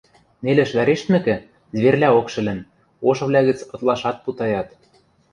Нелӹш вӓрештмӹкӹ, зверьлӓок шӹлӹн, ошывлӓ гӹц ытлашат путаят.